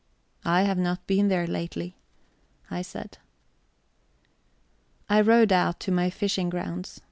"I have not been there lately," I said. I rowed out to my fishing grounds.